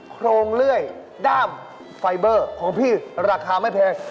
โครงเลื่อยด้ามไฟเบอร์ของพี่ราคาไม่แพง